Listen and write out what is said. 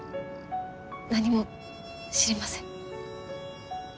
なにも知りません。